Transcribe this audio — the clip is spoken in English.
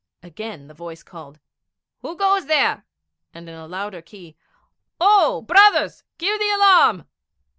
Again the voice called, 'Who goes there?' and in a louder key, 'O, brothers, give the alarm!'